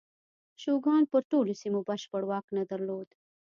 شوګان پر ټولو سیمو بشپړ واک نه درلود.